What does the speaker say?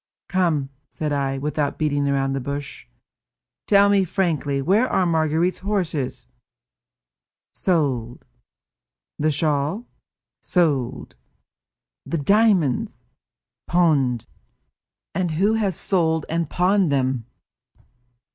"Come," said I, without beating about the bush, "tell me frankly, where are Marguerite's horses?" "Sold." "The shawl?" "Sold." "The diamonds?" "Pawned." "And who has sold and pawned them?"